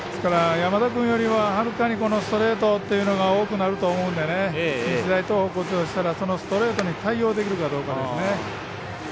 山田君よりははるかにストレートというのが多くなると思うので日大東北としたらそのストレートに対応できるかどうかですね。